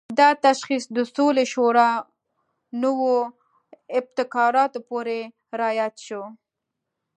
دا تشخیص د سولې شورا نوو ابتکارونو پورې راياد شو.